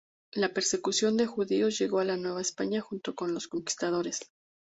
La persecución de judíos llegó a la Nueva España junto con los conquistadores.